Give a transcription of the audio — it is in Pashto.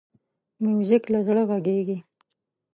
موزیک له زړه غږېږي.